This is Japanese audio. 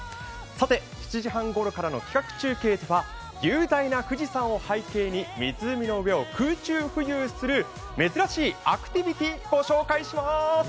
さて、７時半ごろからの企画中継では雄大な富士山を背景に湖の上を空中浮遊する珍しいアクティビティーをご紹介します。